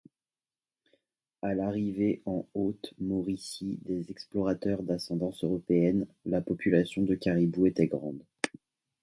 À l'arrivée en Haute-Mauricie des explorateurs d'ascendance européenne, la population de caribous était grande.